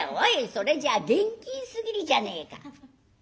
それじゃあ現金すぎるじゃねえか」。